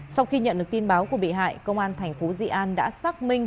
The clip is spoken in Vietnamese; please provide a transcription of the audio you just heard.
sau khi nhận được tin báo của bị hại công an tp di an đã xác minh